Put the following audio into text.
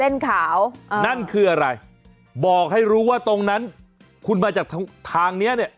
นั่นคืออะไรบอกให้รู้ว่าตรงนั้นคุณมาจากทางนี้